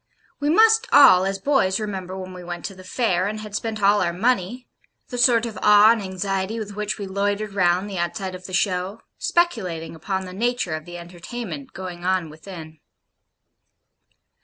We must all, as boys, remember when we went to the fair, and had spent all our money the sort of awe and anxiety with which we loitered round the outside of the show, speculating upon the nature of the entertainment going on within.